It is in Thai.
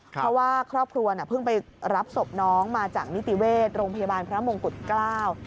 เพราะว่าครอบครัวน่ะเพิ่งไปรับศพน้องมาจากนิติเวชโรงพยาบาลพระมงกุฎเกล้า